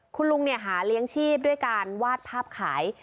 คุณลุงหาเลี้ยงชีพด้วยการวาดภาพขาย